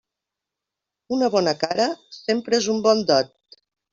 Una bona cara, sempre és un bon dot.